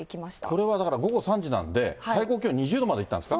これはだから午後３時なんで、最高気温２０度までいったんですか？